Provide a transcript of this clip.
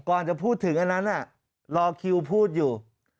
ก่อนจะพูดถึงอันนั้นรอคิวพูดอยู่